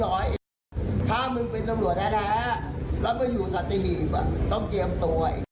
แล้วมาอยู่สติฮีบต้องเตรียมตัว